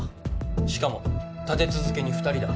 しかも立て続けに２人だ。